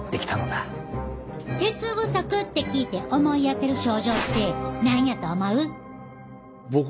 鉄不足って聞いて思い当たる症状って何やと思う？